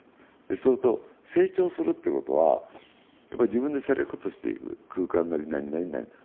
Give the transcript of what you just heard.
そうすると成長するということはやっぱり自分でセレクトしていく空間なりなんなり。